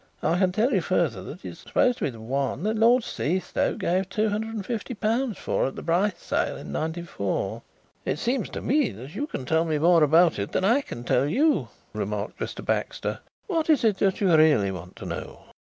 I can tell you further that it's supposed to be one that Lord Seastoke gave two hundred and fifty pounds for at the Brice sale in '94." "It seems to me that you can tell me more about it than I can tell you," remarked Mr. Baxter. "What is it that you really want to know?"